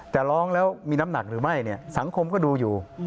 แต่ร้องแล้วมีน้ำหนักหรือไม่เนี่ยสังคมก็ดูอยู่